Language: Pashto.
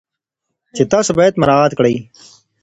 چې تاسو باید مراعات کړئ.